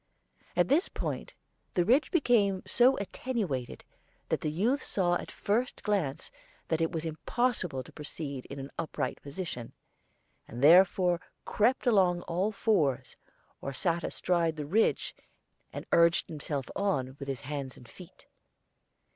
At this point the ridge became so attenuated that the youth saw at the first glance that it was impossible to proceed in an upright position; he therefore crept along on all fours, or sat astride the ridge and urged himself on with his hands and feet.